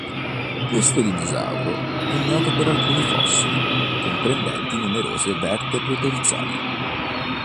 Questo dinosauro è noto per alcuni fossili comprendenti numerose vertebre dorsali.